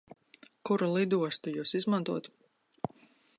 Kuru lidostu Jūs izmantotu?